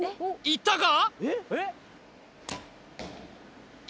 いったか？